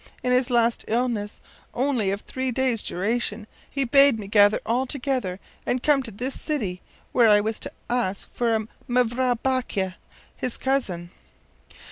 In his last illness, only of three days’ duration, he bade me gather all together and come to this city, where I was to ask for a Mevrouw Baake, his cousin.